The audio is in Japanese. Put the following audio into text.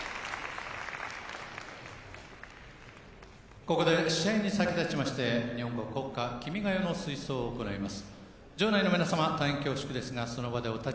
ここで試合に先立ちまして、日本国国家「君が代」の吹奏を行います。